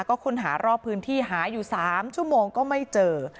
ก็ค้นหารอบพื้นที่หาอยู่๓ชั่วโมงก็ไม่เจอ